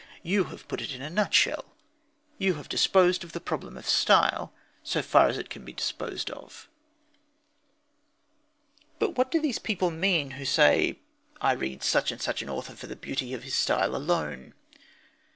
You have put it in a nutshell. You have disposed of the problem of style so far as it can be disposed of. But what do those people mean who say: "I read such and such an author for the beauty of his style alone"?